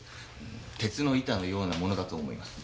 鉄の板のようなものだと思います。